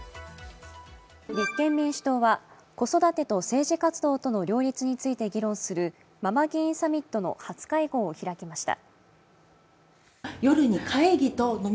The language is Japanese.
立憲民主党は子育て中と政治活動との両立について議論するママ議員サミットの初会合を開きました。